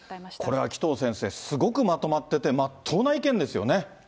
これは紀藤先生、すごくまとまってて、まっとうな意見ですよね。